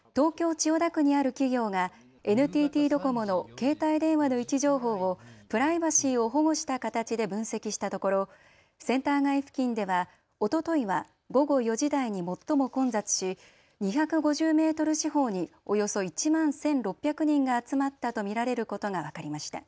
千代田区にある企業がＮＴＴドコモの携帯電話の位置情報をプライバシーを保護した形で分析したところセンター街付近ではおとといは午後４時台に最も混雑し２５０メートル四方におよそ１万１６００人が集まったと見られることが分かりました。